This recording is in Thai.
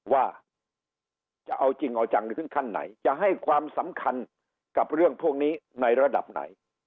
ว่าจะเอาจริงเอาจังถึงขั้นไหนจะให้ความสำคัญกับเรื่องพวกนี้ในระดับไหน